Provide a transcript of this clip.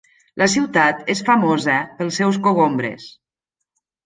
La ciutat és famosa pels seus cogombres.